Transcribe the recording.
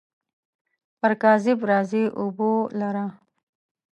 پر کاذب راځي اوبو لره.